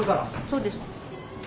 そうです。